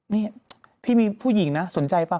นี่พี่มีผู้หญิงนะสนใจป่